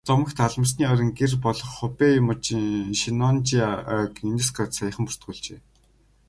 Домогт алмасны орон гэр болох Хубэй мужийн Шеннонжиа ойг ЮНЕСКО-д саяхан бүртгүүлжээ.